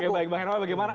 oke baik bang herma